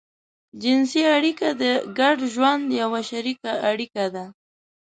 جنسي اړيکې د ګډ ژوند يوه شريکه اړتيا ده.